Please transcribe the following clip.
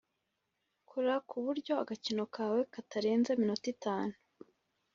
Kora ku buryo agakino kawe katarenza iminota itanu